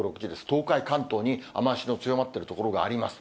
東海、関東に雨足の強まっている所があります。